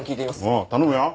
おう頼むよ。